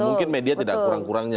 mungkin media tidak kurang kurangnya